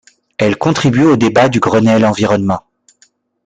Elle contribue aux débats du Grenelle Environnement.